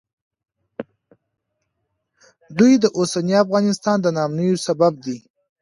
دوی د اوسني افغانستان د ناامنیو سبب دي